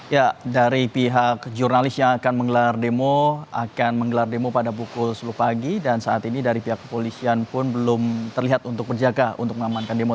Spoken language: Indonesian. ya dari pihak jurnalis yang akan menggelar demo akan menggelar demo pada pukul sepuluh pagi dan saat ini dari pihak kepolisian pun belum terlihat untuk berjaga untuk mengamankan demo